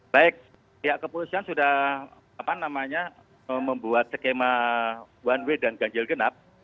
baik pihak kepolisian sudah membuat skema one way dan ganjil genap